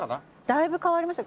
だいぶ変わりました。